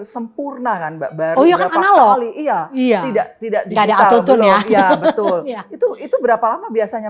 sempurna kan baru kan analog iya iya tidak tidak ada atutun ya betul itu itu berapa lama biasanya